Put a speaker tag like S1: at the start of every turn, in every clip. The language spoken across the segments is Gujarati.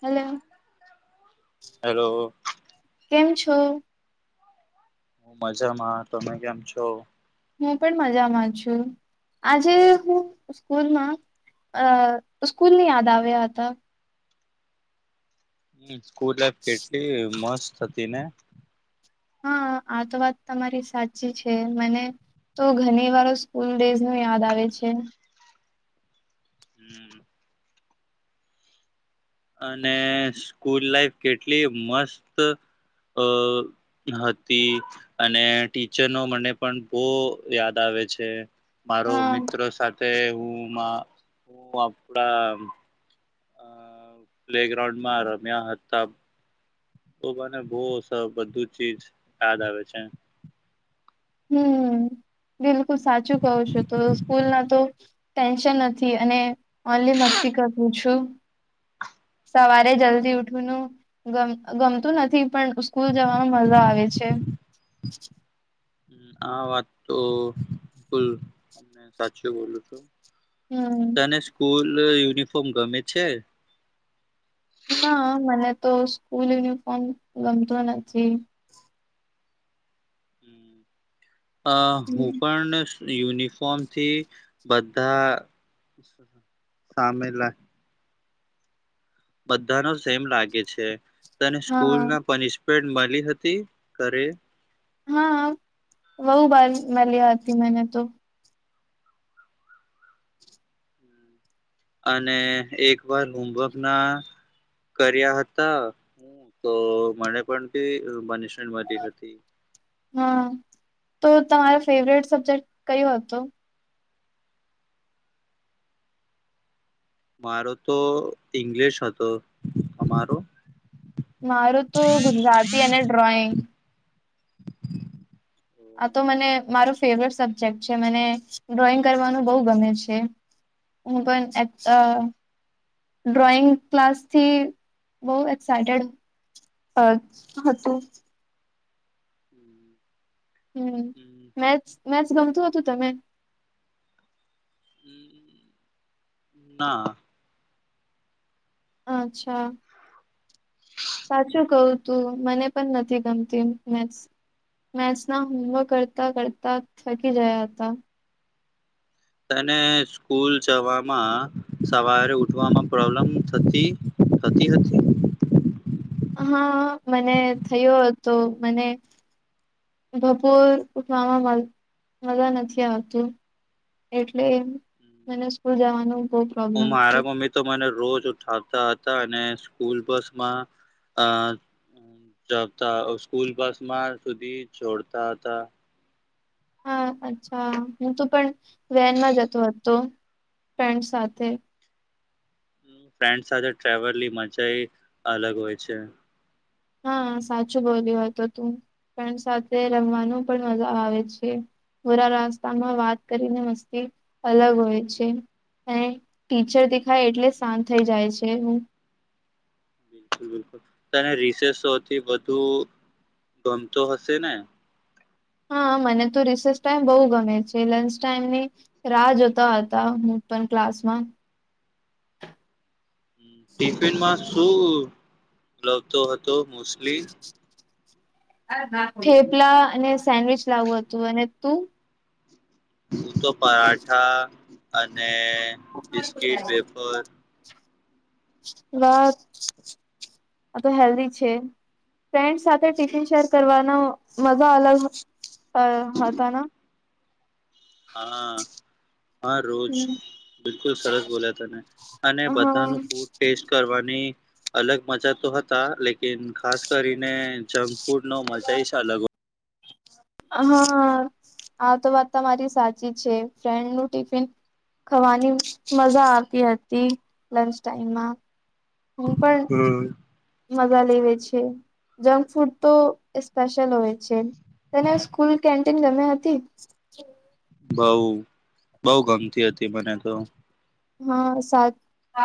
S1: હલો
S2: હેલો
S1: કેમ છો?
S2: હું મજામાં તમે કેમ છો?
S1: હું પણ મજામાં છું આજે હું સ્કૂલમાં. અ સ્કૂલ ની યાદ આવ્યા હતા.
S2: સ્કૂલ લાઈફ કેટલી મસ્ત હતી ને!
S1: હા આ તો વાત તમારી સાચી છે મને તો ઘણી વાર સ્કૂલ ડેઝ ન યાદ આવે છે.
S2: હમ. અને સ્કૂલ લાઈફ કેટલી મસ્ત અ હતી અને ટીચરનો મને પણ બહું યાદ આવે. આવે છે. મારો
S1: હા
S2: મિત્રો સાથે હું હું આપણા અ પ્લે ગ્રાઉન્ડ માં રમ્યા હતા. તો મને બો બધું ચીજ યાદ આવે છે.
S1: હમ્મ બિલકુલ સાચું કવ છું તો સ્કૂલ ના તો ટેન્શન નથી અને ઓનલી મસ્તી કરું છું સવારે જલ્દી દેવઠ
S2: હમ
S1: ન ગમ ગમતું નથી પણ સ્કૂલ જવાનો મજા આવે છે.
S2: આ વાત તો બુલ અમને સાચી બોલું છું.
S1: હમ
S2: તને સ્કૂલ યુનિફોર્મ ગમે છે?
S1: ના મને તો સ્કૂલ યુનિફોર્મ ગમતું નથી.
S2: હ અ હું
S1: હમ.
S2: પણ યુનિફોર્મ થી બધા સામે લ બધાનો સેમ લાગે છે તને સ્કૂલ
S1: હા
S2: ના પનિશમેન્ટ લી હતી ઘરે?
S1: હા વહુ બાર મે લ આતી મેને તો
S2: અને એક વાર હોમવર્ક ના કર્યા હતા તો મને પણ કે પનિષમેન્ટ મળી હતી
S1: હા તો તમારો ફેવરેટ સબ્જેક્ટ કયો હતો?
S2: મારો તો ઇંગ્લિશ હતો અમારો
S1: મારું તો ગુજરાતી અને ડ્રોઈંગ. આ તો મને મારો ફેવરેટ સબ્જેક્ટ છે મને ડ્રોઈંગ કરવાનું બહુ ગમે છે. હું પણ એ ડ્રોઈંગ ક્લાસ થી બહ એક્સાયટેડ અ હતું
S2: હમ્મ
S1: હમ્મ મેથસ મેથસ ગમતું હતું તમે
S2: ના
S1: અચ્છા સાચું કવું તું મને પણ નથી ગમતી મેસ મેસના હોમવર્ક કરતા કરતા થકી જયાતા
S2: અનેને સ્કૂલ જવામાં સવારે ઉઠવામાં પ્રોબ્લમ થતી સતીતી
S1: હા મને થયો હતો મને ભપોર ઉઠવામાં મજા નથી આવતું એટલે મને સ્કૂલ જવાનું બહુ
S2: હું
S1: પ્રોબ્લેમ
S2: મારા
S1: હતી.
S2: મમ્મી તો મને રોજ ઉઠાવતા હતા અને સ્કૂલ બસમાં અ તા સ્કૂલ બસ માં સુધી છોડતા હતા
S1: હા અચ્છા હું તો પણ વેનમાં જતો હતો હતો ફન્ડ સાથે
S2: ફ્રેન્ડ સાથે ટ્રાવલની મજા એ અલગ હોય છે
S1: હા સાચું બોલ્યું હત તું. પણ સાથે રમવાનું પણ મજા આવે છે. ભોરા રસ્તામાં વાત કરીને મસ્તી અલગ હોય છે. હ ટીચર દેખાય એટલે શાંત થઈ જાય છે હું.
S2: બિલકુલ બિલકુલ તને રીસે સોથી વધુ ગમતો હશે ને?
S1: હા મને તો રિસેસ ટાઈમ બહુ ગમે છે લંચ ટાઈમ ની રાહ જોતા હતા પણ ક્લાસમાં
S2: ટિફિનમાં શું લગતો હતો મોસ્ટલી
S1: થેપલા અને સેન્ડવીચ લાવું હતું અને તું
S2: હું તો પરાઠા અને બિસ્કીિટ વેફર
S1: વાત આ તો હેલ્ધી છે. ફ્રેન્ડ સાથે ટિફિન શેર કરવાનો મજા અલગ અ હતાના
S2: હા હા રોજ
S1: ન?
S2: બિલકુલ સરસ બોલ્યા તને અને
S1: હા
S2: બધાનું ફૂડ ટેસ્ટ કરવાનું અલગ મજા તો હતા લેકન ખાસ કરીને ફૂડ નો મજા છે અગ
S1: હા આતો વાત તમારી સાચી છે ફ્રેન્ડ નું ટિફિન ખાવાની મજા આવતી હતી લંચ ટાઈમમાં હું પણ
S2: હમ
S1: મજા લેવે છે જંક ફૂડ તો સ્પેશલ હોય છે તને સ્કૂલ કેન્ટીન ગમ હતી
S2: બઉ બઉ ગમતી હતી મને તો
S1: હા સાચ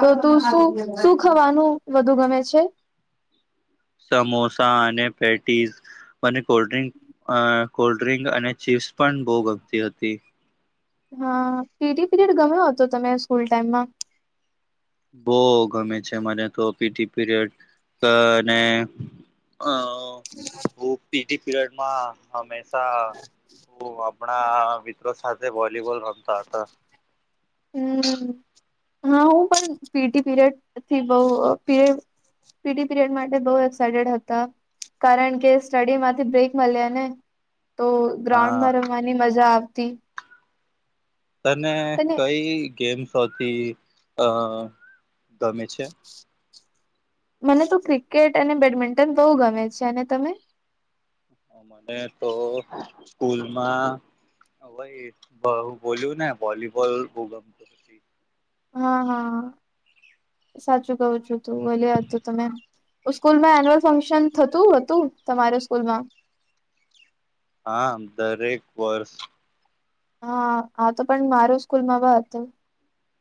S1: તો તું શું શું ખાવાનું વધુ ગમે છે
S2: સમોસા અને પેટીઝ મને કોલ્ડ્રંક અ કોલ્ડ ડ્રિક અને ચીપ્સ પણ બહુ ગમતી હતી
S1: હા પીડી પીરિયડ ગમ્યો હતો તમે સ્કૂલ ટાઈમમાં
S2: બહ ગમે છે મને તો પીટી પીરિયડ અ પીટી પડમાં હમેશા હ આપણા મિત્રો સાથે વોલીબોલ રમતા હતા
S1: હમ હા હું પણ પીટી પીરિયડ થી બહ પી પીડી પીરિયડ માટે બહુ એક્સાઈટેડ હતા કારણ કે સ્ટડી માંથી બ્રેક મળ્યા ને તો
S2: હા
S1: ગ્રાઉન્ડમાં રમવાની મજા આવતી
S2: તને
S1: અને
S2: કઈ ગેમ્સોથી અ ગમે છે
S1: મને તો ક્રિકેટ અને બેડમિન્ટન બહુ ગમે છે અને તમે
S2: હ મને તો સ્કૂલમાં ભાઈ હું બોલ્યું ને વોલીબોલ બુ ગમતોું
S1: હા, હા. સાચું કવું છું તું. એટલે હતું તમે હું સ્કૂલમાં એન્યુઅલ ફંક્શન થતું હતું, તમારે સ્કૂલમાં?
S2: હા, દરેક વર્ષ
S1: હા, આ તો પણ મારૂ સ્કૂલમાં બ હતું.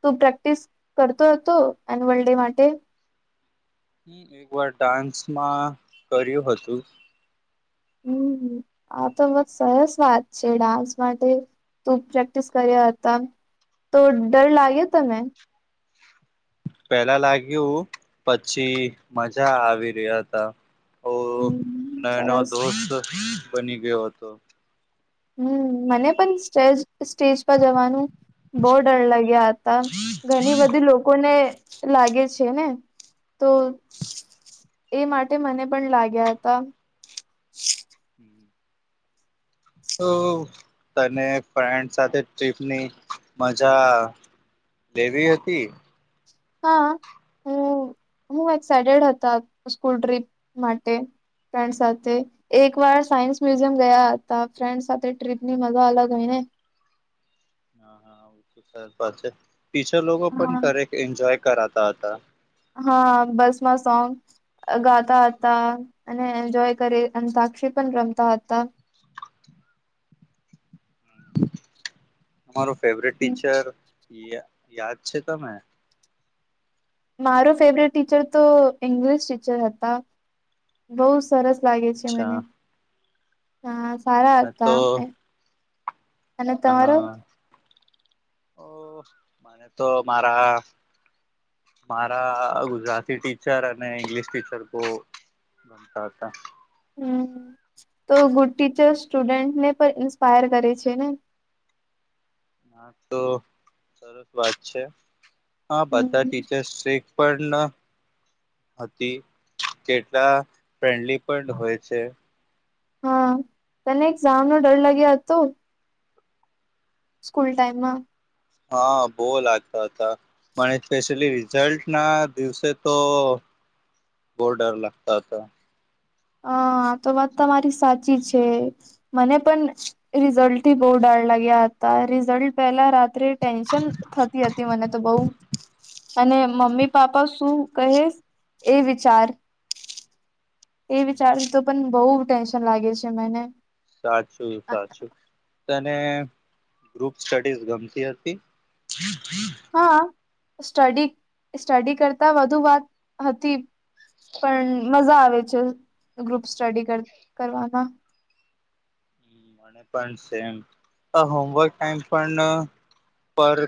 S1: તું પ્રેક્ટિસ કરતો હતો એન્યુઅલ ડે માટે?
S2: હમ, એક વાર ડાન્સમાં કર્યું હતું.
S1: અમ્મ. હમ્મ. આ તો બ સરસ વાત છે ડાન્સ માટે તું પ્રેક્ટિસ કર્યા હતા. તો ડર લાગ્યો તને?
S2: પેલા લાગ્યું પછી મજા આવી રહ્યા હતા. ઓ
S1: હમ
S2: નયા નવા
S1: સરસ
S2: દોસ્ત બની ગ્યો હતો.
S1: હમ્મ, મને પણ સ્ટેજ સ્ટેજ પર જવાનું બહુ ડર લાગ્યા હતા ઘણી બધી લોકોને લાગે છે ને તો એ માટે મને પણ લાગ્યા હતા
S2: ત ફન્ડ સાથે ટપની મજા લેવી હતી
S1: હા હમ હ એક્સાઈટેડ હતા સ્કૂલ ટ્રીપ માટે ફ્રેન્ડ સાથે એક વાર સાયન્સ મ્યુઝિયમ ગયા હતા ફ્રેન્ડ સાથે ટ્રીપની મજા અલગ હોય ને [inaudible]
S2: હા હા સર વાત છે પીછા લોકો પણ ઘરે એન્જોય કરાતા હતા
S1: હા, બસમાં સોંગ ગાતા હતા અને એન્જોય કરી અને સાક્ષી પણ રમતા હતા.
S2: તમારો ફેવરેટ ટીચર યા-યાદ છે તમે?
S1: મારો ફેવરેટ ટીચર તો ઇંગ્લિશ ટીચર હતા. બોઉ સરસ લાગે છે મને.
S2: અચ્છા
S1: હા, સારા
S2: મને
S1: હતા.
S2: તો
S1: અને તમારો?
S2: ઓ મને તો મારા મારા ગુજરાતી ટીચર અને ઇંગ્લિશ ટીચર બો તા હતા.
S1: હમ્મ, તો ગુડ ટીચર સ્ટુડન્ટને પર ઇન્સ્પાયર કરે છે ને?
S2: હા, તો સરસ વાત છે. હા, બધા
S1: હમ
S2: ટીચર્સ એ પન હતી. કેટલા ફ્રેન્ડલી પડ હોય છે.
S1: હા, તને એક જામનો ડર લાગ્યો હતો? સ્કૂલ ટાઈમમાં?
S2: હા, બો લાગ્યો હતો. મને સ્પેશલી જલ્ટના દિવસે તો બો ડર લાગતો હતો. [inaudible]
S1: હા, તો વાત તમારી સાચી છે. મને પણ રિઝલ્ટથી બો ડાર લાગ્યા તા રિઝલ્ટ પેલા રાત્રે ટેન્શન થતી હતી મને તો બોઉ. અને મમ્મી પાપા શું કહે એ વિચાર એ વિચાર તો પણ બોઉ ટેન્શન લાગે છે મને.
S2: સાચું. સાચું. તને ગ્રુપ સ્ટડીઝ ગમતી હતી?
S1: હા, સ્ટડી સ્ટડી કરતા વધુ વાત હતી. પણ મજા આવે છે ગ્રુપ સ્ટડી કર-કરવાના.
S2: પન સે એમ. પ હોમવર્ક ટાઈમ પણ પર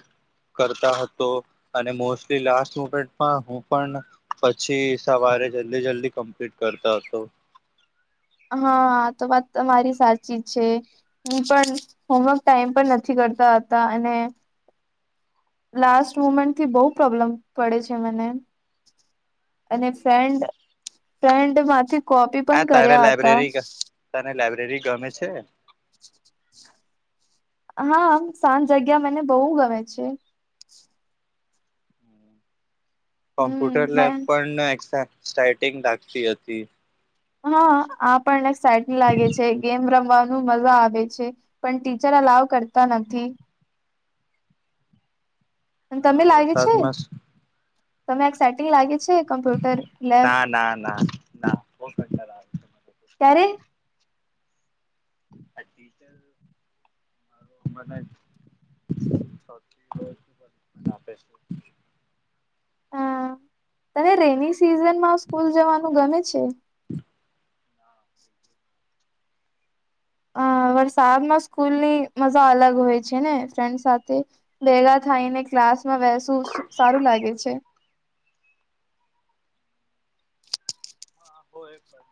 S2: કરતા હતો અને મોસ્ટલી લાસ્ટ મુમેન્ટમાં હું પણ પછી સવારે જલ્દી જલ્દી કમ્પ્લીટ કરતા હતો.
S1: [inaudible] હા તો વાત તમારી સાચી છે હું પણ હોમવર્ક ટાઈમ પણ નથી કર કરતા હતા અને લાસ્ટ મુમેન્ટથી બહુ પ્રોબ્લેમ પડે છે મને. અને ફ્રેન્ડ ફ્રેન્ડ માંથી કોપી પણ કર્યા હતા.
S2: રી ગામે છે.
S1: [inaudible] હા સાજ જગ્યા મને બહુ ગમે છે.
S2: કોમ્પ્યુટર લેબ
S1: હમ
S2: પણ સટિંગ લાગતી હતી.
S1: હા આ પણસાટ લાગે છે ગેમ રમવાનું હમ મલવા આવે છે પણ ટીચર અલાવ કરતા નથી. અને
S2: ના
S1: તમે લાગે છે?
S2: વરસાદમાં
S1: તમે આજ સેટિંગ લાગે છે કમ્પ્યુટર લેબ?
S2: ના ના ના ના બહુ કંટાળો આવે છે
S1: તારે?
S2: [unintelligible] [unintelligible]
S1: હા. તને રેની સિઝનમાં સ્કૂલ જવાનું ગમે છે? [inaudible] વરસાદમાં સ્કૂલની મજા અલગ હોય છે ને? ફ્રેન્ડ સાથે ભેગા થાયને ક્લાસ હવે આ સુ-સુ-સારું લાગે છે.
S2: હોય પણ.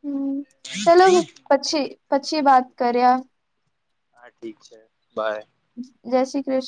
S1: હમ ચલો હું પછી પછી વાત કર્યા.
S2: હા ઠીક છે બાય.
S1: જય શ્રી કૃષ્ણ.